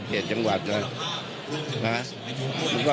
อันนี้จะต้องจับเบอร์เพื่อที่จะแข่งกันแล้วคุณละครับ